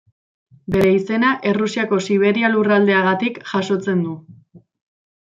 Bere izena Errusiako Siberia lurraldeagatik jasotzen du.